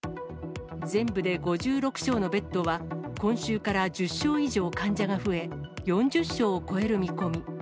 全部で５６床のベッドは、今週から１０床以上患者が増え、４０床を超える見込み。